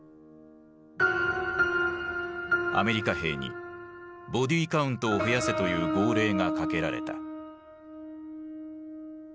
アメリカ兵に「ボディカウントを増やせ」という号令がかけられた。